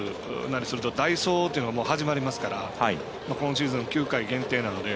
そうすると代走というのが始まりますから今シーズン、９回限定なので。